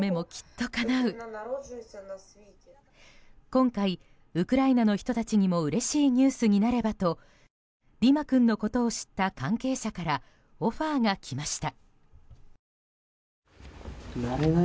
今回、ウクライナの人たちにもうれしいニュースになればとディマ君のことを知った関係者からオファーが来ました。